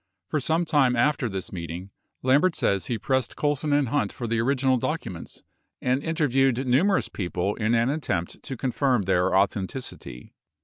For some time after this meeting, Lambert says he pressed Colson and Hunt for the orig inal documents and interviewed numerous people in an attempt to confirm their authenticity.